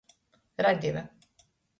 Radiva.